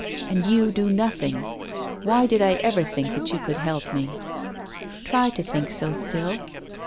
And you do nothing. Why did I ever think that you could help me ?"" Try to think so still."